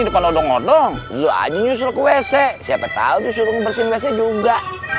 depan odong odong lu aja nyusul ke wc siapa tahu disuruh bersih juga